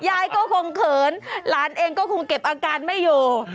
ยายก็คงเขินหลานเองก็คงเก็บอาการไม่อยู่